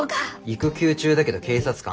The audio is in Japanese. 育休中だけど警察官。